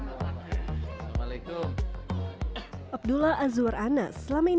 yang menjadikan kemampuan